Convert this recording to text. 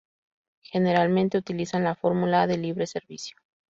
Generalmente utilizan la fórmula de libre servicio.